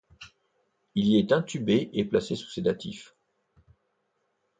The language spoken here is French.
Il y est intubé et placé sous sédatifs.